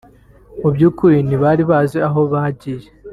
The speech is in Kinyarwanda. mu by’ukuri ntibari bazi aho bagiye